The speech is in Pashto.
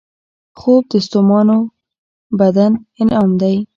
خوب د ستومانو بدن انعام دی